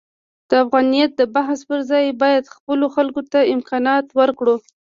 د افغانیت د بحث پرځای باید خپلو خلکو ته امکانات ورکړو.